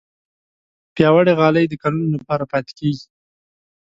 پیاوړې غالۍ د کلونو لپاره پاتې کېږي.